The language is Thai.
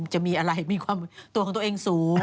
จะมีอะไรมีความตัวของตัวเองสูง